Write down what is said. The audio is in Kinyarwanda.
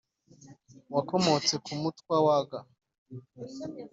wakomotse ku mutwa waga